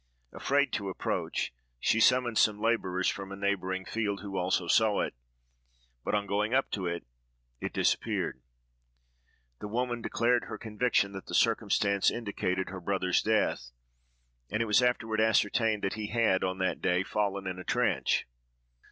Afraid to approach, she summoned some laborers from a neighboring field, who also saw it; but on going up to it, it disappeared. The woman declared her conviction that the circumstance indicated her brother's death; and it was afterward ascertained that he had, on that day, fallen in a trench.